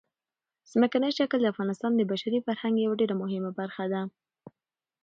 ځمکنی شکل د افغانستان د بشري فرهنګ یوه ډېره مهمه برخه ده.